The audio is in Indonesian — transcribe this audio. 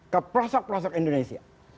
ke pelosok pelosok indonesia